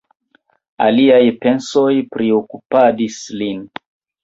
Aliaj pensoj priokupadis lin.